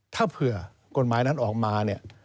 ถ้าเผื่อกฎหมายนั้นออกมาเนี่ย